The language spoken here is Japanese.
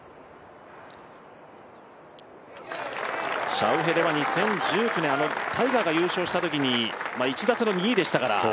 シャウフェレは２０１９年タイガーが優勝したときに１打差の２位でしたから。